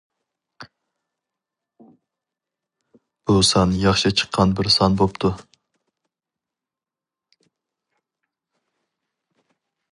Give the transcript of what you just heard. بۇ سان ياخشى چىققان بىر سان بوپتۇ.